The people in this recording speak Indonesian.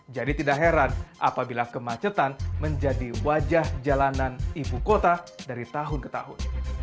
jadi tidak heran apabila kemacetan menjadi wajah jalanan ibu kota dari tahun ke tahun